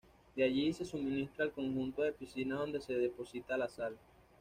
De allí se suministra al conjunto de piscinas donde se deposita la sal.